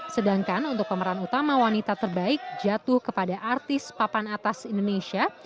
sedangkan untuk pemeran utama wanita terbaik jatuh kepada artis papan atas indonesia